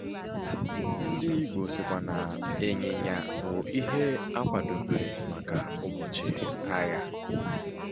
Oke udumiri nke Sokoto bų ǫnwa juun rue septemba.